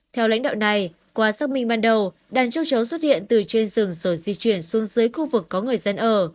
theo lãnh đạo này qua xác minh ban đầu đàn châu chấu xuất hiện từ trên rừng rồi di chuyển xuống dưới khu vực có người dân ở